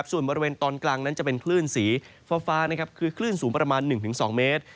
ส่วนบริเวณตอนกลางนั้นจะเป็นคลื่นสีฟ้าคือคลื่นสูงประมาณ๑๒เมตร